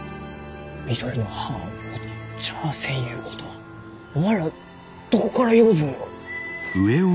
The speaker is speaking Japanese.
緑の葉を持っちゃあせんゆうことはおまんらあどこから養分を？